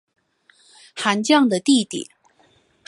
韩绛的弟弟。